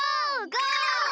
ゴー！